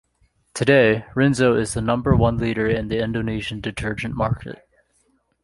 Today, Rinso is the number one leader in the Indonesian detergent market.